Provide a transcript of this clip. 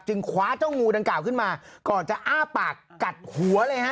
คว้าเจ้างูดังกล่าวขึ้นมาก่อนจะอ้าปากกัดหัวเลยฮะ